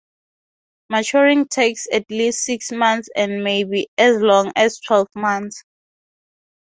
Maturing takes at least six months and may be as long as twelve months.